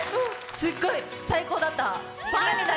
すっごい最高だった！